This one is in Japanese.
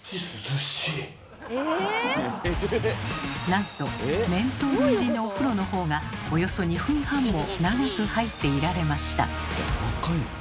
なんとメントール入りのお風呂のほうがおよそ２分半も長く入っていられました。